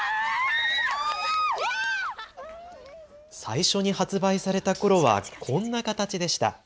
最初に発売されたころはこんな形でした。